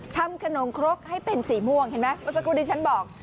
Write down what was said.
ทำขนมครกให้เป็นสีม่วงเห็นไหมวัสดิฉันบอก